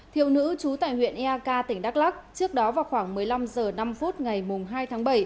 thiếu nữ trú tại huyện eak tỉnh đắk lắc trước đó vào khoảng một mươi năm h năm ngày hai tháng bảy